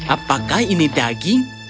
apakah ini daging